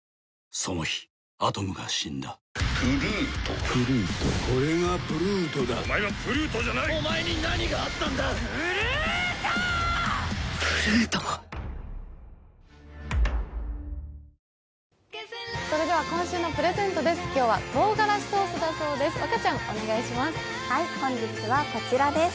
それでは今週のプレゼントです。